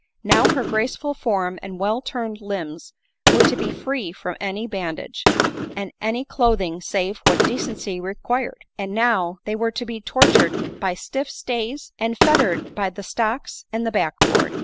Now, her graceful form and well turned limbs were to be free from any bandage, and any clothing save what decency requir ed ; and now, they were to be tortured by stiff stays, and fettered by the stocks and the backboard.